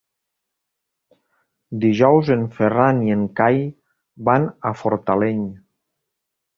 Dijous en Ferran i en Cai van a Fortaleny.